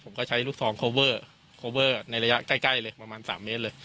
ผมก็ใช้ลูกซองโคเวอร์โคเวอร์ในระยะใกล้เลยประมาณ๓เมตรเลย